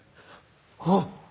あっ！